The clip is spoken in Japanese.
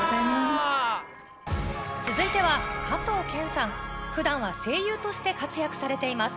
続いては加藤健さん。ふだんは声優として活躍されています。